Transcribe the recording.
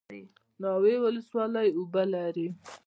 ناوې ولسوالۍ اوبه لري؟